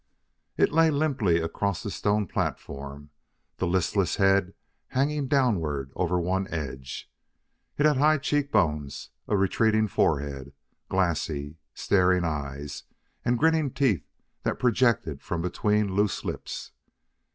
It lay limply across the stone platform, the listless head hanging downward over one edge. It had high cheekbones, a retreating forehead, glassy, staring eyes, and grinning teeth that projected from between loose lips.